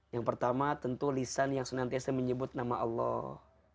yang pertama tentu lisan yang senantiasa menyebut nama allah